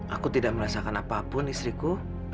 aku tidak merasakan apapun istriku